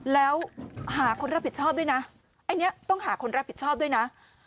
แล้วหาคนรับผิดชอบด้วยนะอันนี้ต้องหาคนรับผิดชอบด้วยนะ